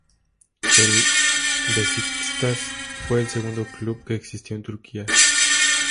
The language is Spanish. El Beşiktaş fue el segundo club que existió en Turquía.